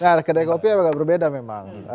nah kedai kopi agak berbeda memang